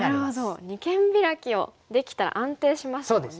二間ビラキをできたら安定しますもんね。